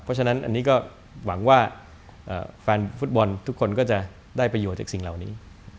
เพราะฉะนั้นอันนี้ก็หวังว่าแฟนฟุตบอลทุกคนก็จะได้ประโยชน์จากสิ่งเหล่านี้